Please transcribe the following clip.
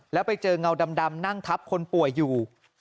แล้วไปเจอเงาดำนั่งทับคนป่วยอยู่